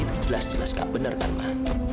itu jelas jelas nggak bener kan ma